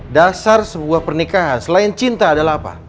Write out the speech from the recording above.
dasar sebuah pernikahan selain cinta adalah apa